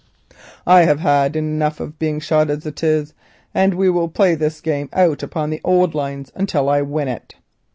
I have had enough of being shot as it is, and we will play this game out upon the old lines, until I win it."